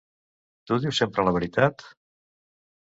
Tu dius sempre la veritat?